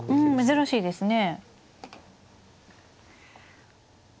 珍しいですね。